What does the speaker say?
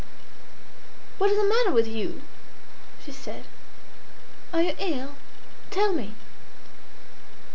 "What is the matter with you?" she said. "Are you ill? Tell me!"